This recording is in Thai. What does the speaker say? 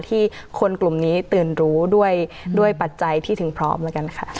ที่คนกลุ่มนี้ตื่นรู้ด้วยปัจจัยที่ถึงพร้อมแล้วกันค่ะ